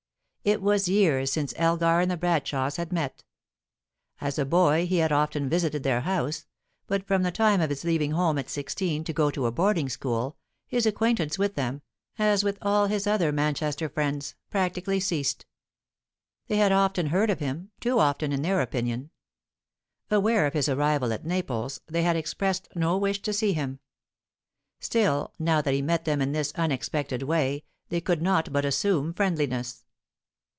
It was years since Elgar and the Bradshaws had met. As a boy he had often visited their house, but from the time of his leaving home at sixteen to go to a boarding school, his acquaintance with them, as with all his other Manchester friends, practically ceased. They had often heard of him too often, in their opinion. Aware of his arrival at Naples, they had expressed no wish to see him. Still, now that he met them in this unexpected way, they could not but assume friendliness.